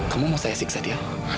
kamu mau saya siksa dia